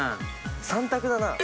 ３択だな。